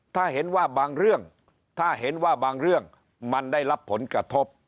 ถ้าเห็นว่าบางเรื่องถ้าเห็นว่าบางเรื่องมันได้รับผลกระทบ